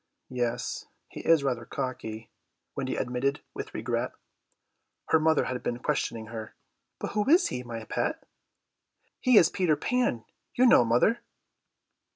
"Yes, he is rather cocky," Wendy admitted with regret. Her mother had been questioning her. "But who is he, my pet?" "He is Peter Pan, you know, mother."